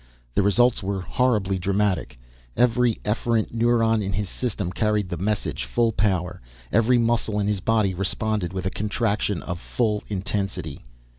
The results were horribly dramatic. Every efferent neuron in his system carried the message full power. Every muscle in his body responded with a contraction of full intensity.